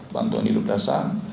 bantuan hidup dasar